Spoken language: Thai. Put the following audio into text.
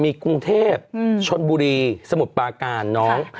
มีกรุงเทพชนบุรีสมุทรปาการน้อง